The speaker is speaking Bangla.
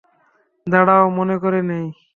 দাঁড়াও মনে করে নেই।